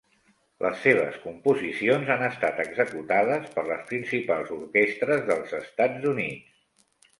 Les seves composicions han estat executades per les principals orquestres dels Estats Units.